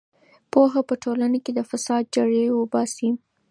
پوهه په ټولنه کې د فساد جرړې وباسي.